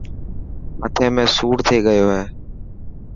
مٿي ۾ سوڙ ٿي گيو هي.